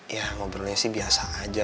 ya ngobrolnya sih biasa aja